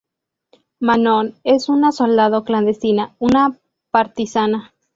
Manon es una soldado clandestina, una partisana.